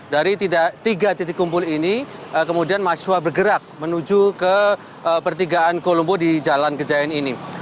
dari tiga titik kumpul ini kemudian mahasiswa bergerak menuju ke pertigaan kolombo di jalan kejayan ini